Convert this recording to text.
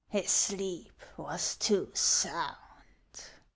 " His sleep was too sound."